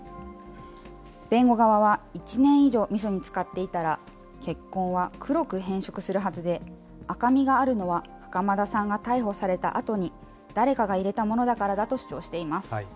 弁護側は、１年以上、みそに漬かっていたら、血痕は黒く変色するはずで、赤みがあるのは、袴田さんが逮捕されたあとに、誰かが入れたものだからだと主張しています。